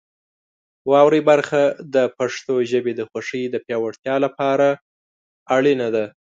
واورئ برخه د پښتو ژبې د خوښۍ د پیاوړتیا لپاره اړینه ده.